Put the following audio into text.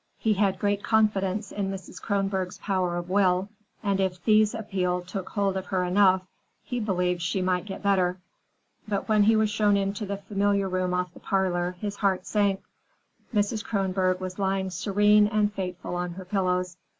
He had great confidence in Mrs. Kronborg's power of will, and if Thea's appeal took hold of her enough, he believed she might get better. But when he was shown into the familiar room off the parlor, his heart sank. Mrs. Kronborg was lying serene and fateful on her pillows.